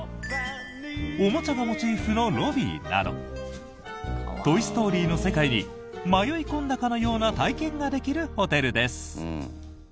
おもちゃがモチーフのロビーなど「トイ・ストーリー」の世界に迷い込んだかのような体験ができるホテルです。